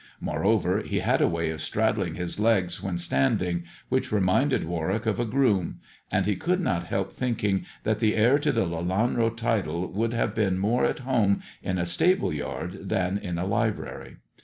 Moreover, he had a way of straddling his legs when standing, which reminded Warwick of a groom, and he could not help thinking that the heir to the Lelanro title would have been more at home in a stable yard than in a library.